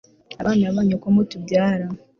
abana banyu uko mutubyara